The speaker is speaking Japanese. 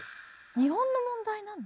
日本の問題なの？